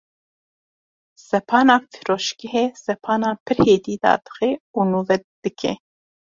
Sepana firoşgehê sepanan pir hêdî dadixe û nûve dike.